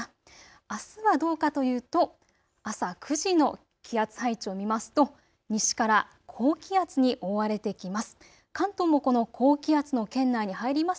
あすはどうかというと朝９時の気圧配置を見ますと西から高気圧に覆われてきます。